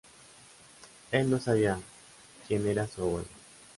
Él no sabía quien era su abuelo.